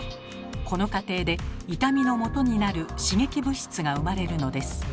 この過程で痛みのもとになる刺激物質が生まれるのです。